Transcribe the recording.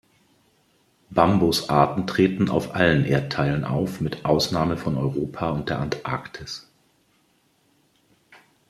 Bambusarten treten auf allen Erdteilen auf mit Ausnahme von Europa und der Antarktis.